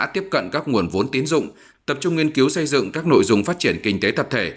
tiếp cận các nguồn vốn tín dụng tập trung nghiên cứu xây dựng các nội dung phát triển kinh tế tập thể